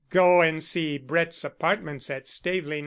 Go and see Brett's apartments at Staveley No.